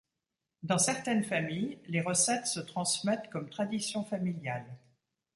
Dans certaines familles, les recettes se transmettent comme tradition familiale.